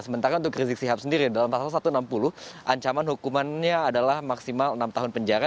sementara untuk rizik sihab sendiri dalam pasal satu ratus enam puluh ancaman hukumannya adalah maksimal enam tahun penjara